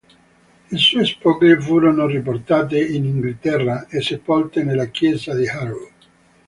Le sue spoglie furono riportate in Inghilterra e sepolte nella chiesa di Harrow.